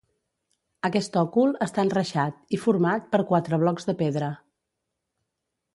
Aquest òcul està enreixat i format per quatre blocs de pedra.